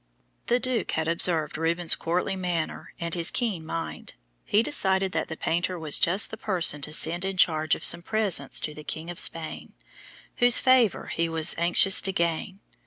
The Duke had observed Rubens' courtly manner and his keen mind. He decided that the painter was just the person to send in charge of some presents to the King of Spain, whose favor he was anxious to gain.